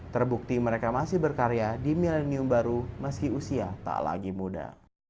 terbukti mereka masih berkarya di milenium baru meski usia tak lagi muda